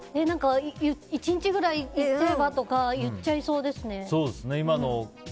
何か、１日ぐらい行っちゃえば？とか言っちゃいそうですね。